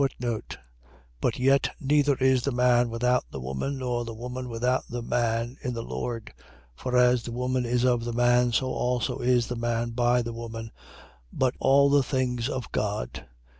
But yet neither is the man without the woman, nor the woman without the man, in the Lord. 11:12. For as the woman is of the man, so also is the man by the woman: but all things of God.